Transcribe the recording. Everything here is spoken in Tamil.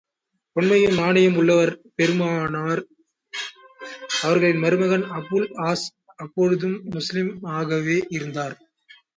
உண்மையும் நாணயமும் உள்ளவர் பெருமானார் அவர்களின் மருமகன் அபுல் ஆஸ் அப்பொழுதும் முஸ்லிமாகாமல் இருந்தார்.